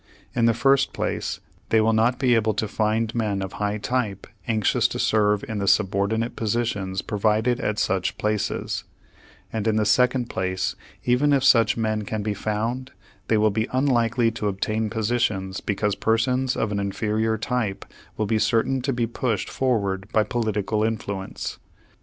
In the first place, they will not be able to find men of a high type anxious to serve in the subordinate positions provided at such places; and in the second place, even if such men can be found, they will be unlikely to obtain positions because persons of an inferior type will be certain to be pushed forward by political influence.